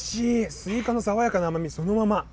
スイカの爽やかな甘みそのまま。